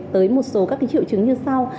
tới một số các triệu chứng như sau